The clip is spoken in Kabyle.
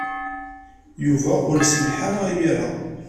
Yuba ur iselleḥ ara imir-a.